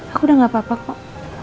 aku udah gak apa apa kok